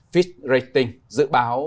fitch rating dự báo